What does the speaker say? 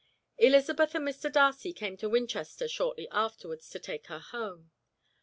Elizabeth and Mr. Darcy came to Winchester shortly afterwards, to take her home.